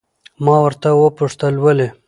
ما ورته وپوښتل ولې؟